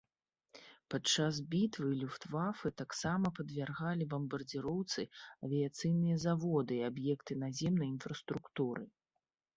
Падчас бітвы люфтвафэ таксама падвяргалі бамбардзіроўцы авіяцыйныя заводы і аб'екты наземнай інфраструктуры.